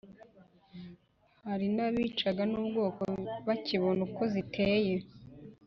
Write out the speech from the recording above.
hari n’abicwaga n’ubwoba, bakibona uko ziteye.